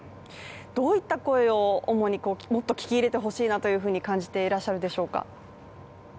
どういった声を、もっと聞き入れてほしいなというふうに感じていらっしゃるでしょうか？